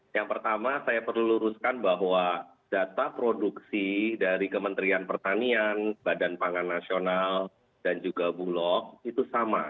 yang pertama saya perlu luruskan bahwa data produksi dari kementerian pertanian badan pangan nasional dan juga bulog itu sama